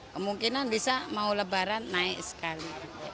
kemungkinan bisa mau lebaran naik sekali